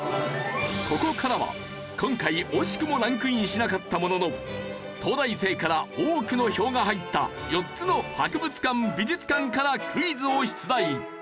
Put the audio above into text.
ここからは今回惜しくもランクインしなかったものの東大生から多くの票が入った４つの博物館・美術館からクイズを出題。